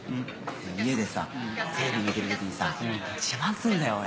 家でさテレビ見てる時にさ自慢すんだよ俺。